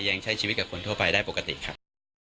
ยังใช้ชีวิตกับคนทั่วไปได้ปกติครับ